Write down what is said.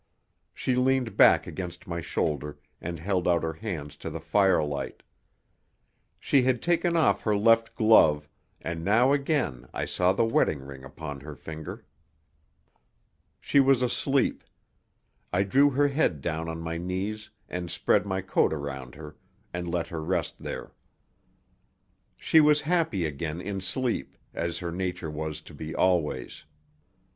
She leaned back against my shoulder and held out her hands to the fire light. She had taken off her left glove, and now again I saw the wedding ring upon her finger. She was asleep. I drew her head down on my knees and spread my coat around her, and let her rest there. She was happy again in sleep, as her nature was to be always.